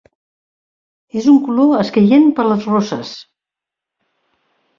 És un color escaient per a les rosses.